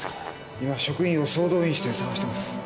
今職員を総動員して探してます。